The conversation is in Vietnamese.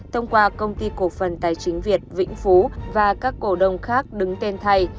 thông qua công ty cổ phần tài chính việt vĩnh phú và các cổ đông khác đứng tên thay